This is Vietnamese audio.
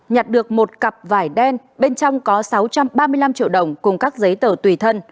nhặt được một cặp vải đen bên trong có sáu trăm ba mươi năm triệu đồng cùng các giấy tờ tùy thân